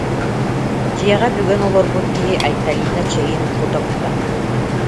Дьиэҕэ бүгэн олорбут киһи Айталина чэйин кута-кута: